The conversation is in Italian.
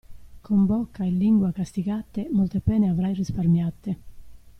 Con bocca e lingua castigate, molte pene avrai risparmiate.